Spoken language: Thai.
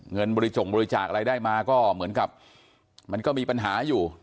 บริจงบริจาคอะไรได้มาก็เหมือนกับมันก็มีปัญหาอยู่